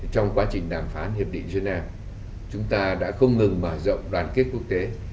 trong quá trình đàm phán hiệp định geneva chúng ta đã không ngừng mở rộng đoàn kết quốc tế